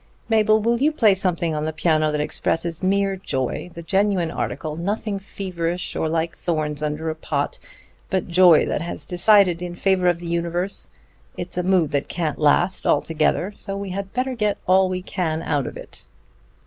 "Mabel, will you play something on the piano that expresses mere joy, the genuine article, nothing feverish or like thorns under a pot, but joy that has decided in favor of the universe. It's a mood that can't last altogether, so we had better get all we can out of it."